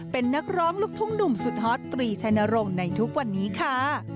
เป็นนักร้องลูกทุ่งหนุ่มสุดฮอตตรีชัยนรงค์ในทุกวันนี้ค่ะ